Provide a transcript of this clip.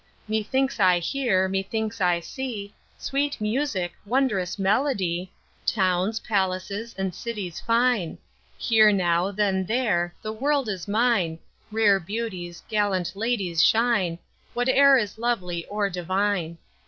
Methinks I hear, methinks I see, Sweet music, wondrous melody, Towns, palaces, and cities fine; Here now, then there; the world is mine, Rare beauties, gallant ladies shine, Whate'er is lovely or divine.